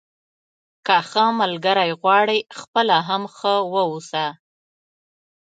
که ښه ملګری غواړئ خپله هم ښه واوسه.